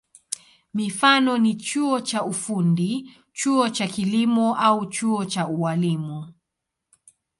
Mifano ni chuo cha ufundi, chuo cha kilimo au chuo cha ualimu.